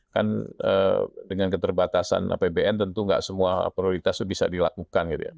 kan dengan keterbatasan apbn tentu nggak semua prioritas itu bisa dilakukan gitu ya